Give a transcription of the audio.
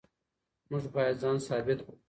موږ بايد ځان ثابت کړو.